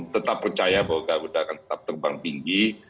tetap percaya bahwa garuda akan tetap terbang tinggi